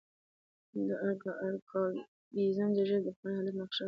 ارکائیزم د ژبې د پخواني حالت نخښه ده.